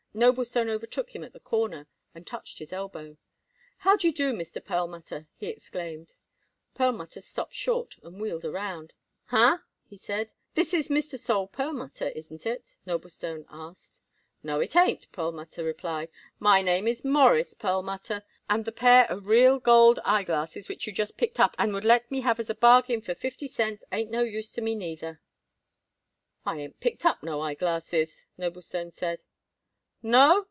Noblestone overtook him at the corner and touched his elbow. "How do you do, Mr. Perlmutter!" he exclaimed. Perlmutter stopped short and wheeled around. "Huh?" he said. "This is Mr. Sol Perlmutter, ain't it?" Noblestone asked. "No, it ain't," Perlmutter replied. "My name is Morris Perlmutter, and the pair of real gold eye glasses which you just picked up and would let me have as a bargain for fifty cents, ain't no use to me neither." "I ain't picked up no eye glasses," Noblestone said. "No?"